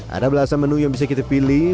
ada belasan menu yang bisa kita pilih